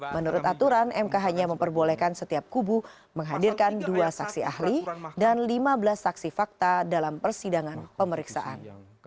menurut aturan mk hanya memperbolehkan setiap kubu menghadirkan dua saksi ahli dan lima belas saksi fakta dalam persidangan pemeriksaan